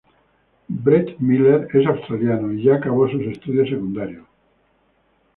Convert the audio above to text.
Brett Miller es australiano y ya acabó sus estudios secundarios.